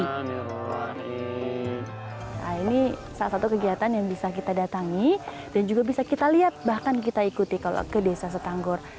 nah ini salah satu kegiatan yang bisa kita datangi dan juga bisa kita lihat bahkan kita ikuti kalau ke desa setanggor